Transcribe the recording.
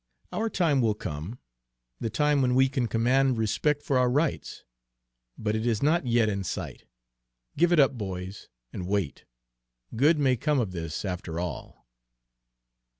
Our time will come, the time when we can command respect for our rights; but it is not yet in sight. Give it up, boys, and wait. Good may come of this, after all."